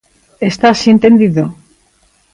¿Está así entendido?